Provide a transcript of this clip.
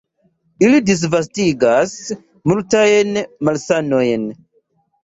Ili disvastigas multajn malsanojn.